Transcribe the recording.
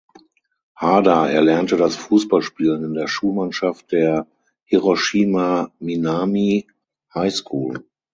Hada erlernte das Fußballspielen in der Schulmannschaft der "Hiroshima Minami High School".